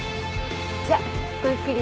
じゃあごゆっくり。